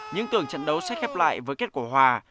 những tưởng trận đấu sẽ khép lại với kết quả hòa